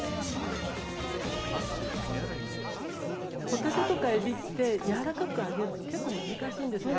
ホタテとかえびってやわらかく揚げるの結構難しいんですよ。